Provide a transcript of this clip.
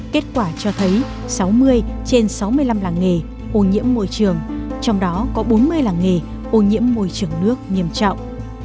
kết quả cho thấy sáu mươi trên sáu mươi năm làng nghề ô nhiễm môi trường trong đó có bốn mươi làng nghề ô nhiễm môi trường nước nghiêm trọng